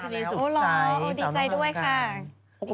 โหหรอดีใจด้วยค่ะ